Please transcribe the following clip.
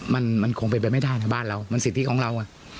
มันคงเป็นไปไม่ได้นะบ้านเรามันสิทธิของเรา